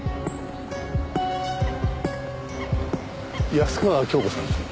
安川恭子さんですね？